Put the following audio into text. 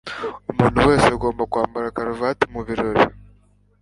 Umuntu wese agomba kwambara karuvati mubirori.